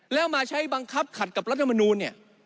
แล้วมาใช้บังคับขัดกับรัฐมนูลเนี่ย